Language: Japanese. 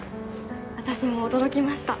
私も驚きました。